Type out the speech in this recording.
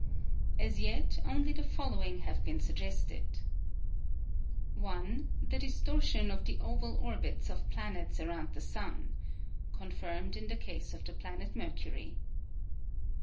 As yet only the following have been sug gested: 1. The distortion of the oval orbits of planets round the sun (confirmed in the case of the planet Mercury).